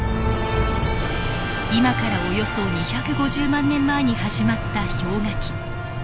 今からおよそ２５０万年前に始まった氷河期。